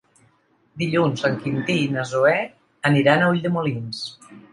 Dilluns en Quintí i na Zoè aniran a Ulldemolins.